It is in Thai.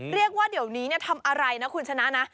เรียกว่าเดี๋ยวนี้ทำอะไรนะคุณชนะนะ